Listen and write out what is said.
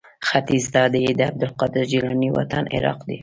ختیځ ته یې د عبدالقادر جیلاني وطن عراق دی.